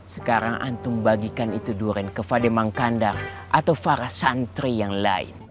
sekarang antum bagikan itu durian kepada mang kandar atau para santri yang lain